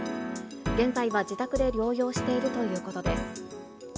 現在は自宅で療養しているということです。